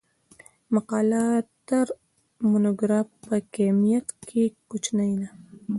مقاله تر مونوګراف په کمیت کښي کوچنۍ ده.